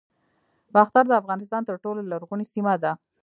باختر د افغانستان تر ټولو لرغونې سیمه ده